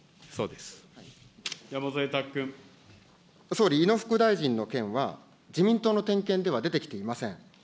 総理、井野副大臣の件は、自民党の点検では出てきていません。